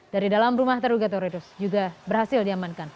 dari dalam rumah terduga teroris juga berhasil diamankan